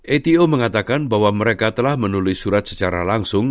ato mengatakan bahwa mereka telah menulis surat secara langsung